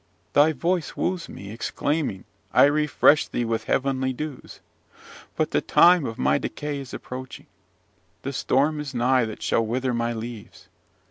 Thy voice woos me, exclaiming, I refresh thee with heavenly dews; but the time of my decay is approaching, the storm is nigh that shall whither my leaves.